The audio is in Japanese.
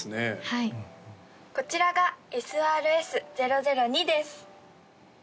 はいこちらがＳＲＳ−００２です